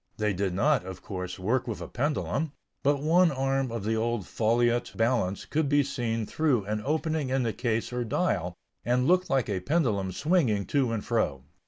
They did not, of course, work with a pendulum; but one arm of the old foliot balance could be seen through an opening in the case or dial, and looked like a pendulum swinging to and fro.